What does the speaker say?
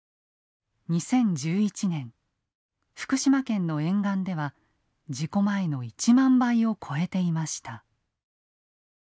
２０１１年福島県の沿岸では事故前の１万倍を超えていました。